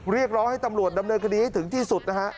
เรียกร้องให้ตำรวจดำเนินคดีให้ถึงที่สุดนะฮะ